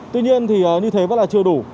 tuy nhiên thì như thế vẫn là chưa đủ